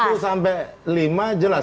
dari konsep satu sampai lima jelas